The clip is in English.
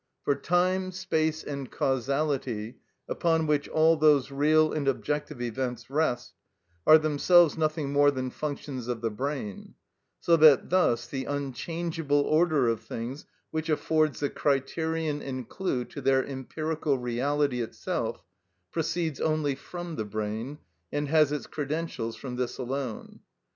For time, space, and causality, upon which all those real and objective events rest, are themselves nothing more than functions of the brain; so that thus the unchangeable order of things which affords the criterion and clue to their empirical reality itself proceeds only from the brain, and has its credentials from this alone.